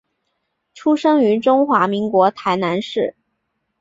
出生于中华民国台南市。